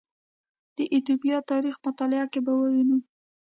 د ایتوپیا تاریخ مطالعه کې به ووینو